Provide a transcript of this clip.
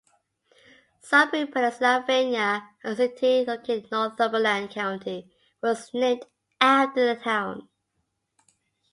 Sunbury, Pennsylvania, a city located in Northumberland County was named after the town.